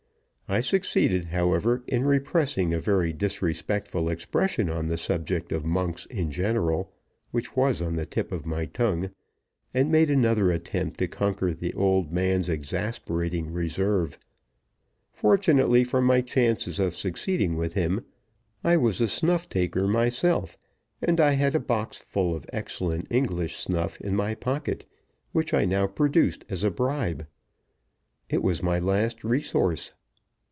I succeeded, however, in repressing a very disrespectful expression on the subject of monks in general, which was on the tip of my tongue, and made another attempt to conquer the old man's exasperating reserve. Fortunately for my chances of succeeding with him, I was a snuff taker myself, and I had a box full of excellent English snuff in my pocket, which I now produced as a bribe. It was my last resource.